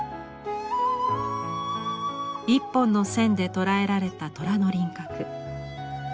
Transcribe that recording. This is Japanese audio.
一本の線で捉えられた虎の輪郭。